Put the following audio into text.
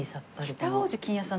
北大路欣也さん。